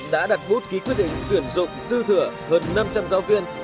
đã đặt bút ký quyết định tuyển dụng dư thừa hơn năm trăm linh giáo viên